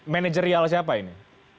managerial siapa ini